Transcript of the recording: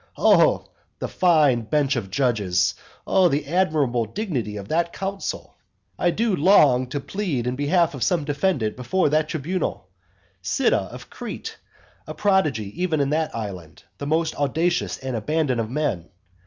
Oh the fine bench of judges! Oh the admirable dignity of that council! I do long to plead in behalf of some defendant before that tribunal Cyda of Crete; a prodigy even in that island; the most audacious and abandoned of men.